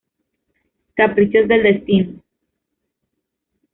Caprichos del destino.